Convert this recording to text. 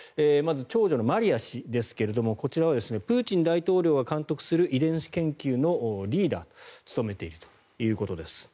まず長女のマリヤ氏ですがこちらはプーチン大統領が監督する遺伝子研究のリーダーを務めていると。